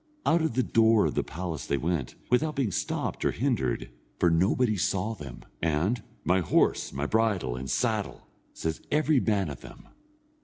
Out of the door of the palace they went, without being stopped or hindered, for nobody saw them, and, "My horse, my bridle, and saddle!" says every man of them.